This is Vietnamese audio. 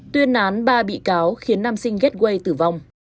tuyên án ba bị cáo khiến nam sinh ghét quay tử vong